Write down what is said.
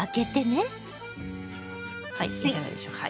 はいいいんじゃないでしょうか。